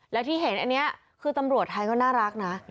และที่เห็นอันนี้คือตำรวจไทยก็น่ารักนะ